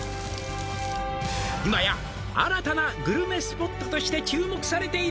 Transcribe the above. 「今や新たなグルメスポットとして注目されている」